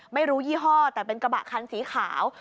ยี่ห้อแต่เป็นกระบะคันสีขาว